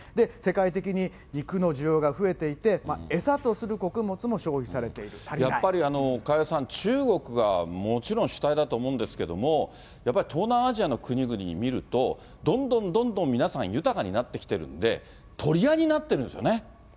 世界的に肉の需要が増えていて、餌とする穀物も消費されている、やっぱり加谷さん、中国がもちろん、主体だと思うんですけれども、やっぱり東南アジアの国々を見ると、どんどんどんどん皆さん、豊かになってきてるんで、取り合いになってるんですよね。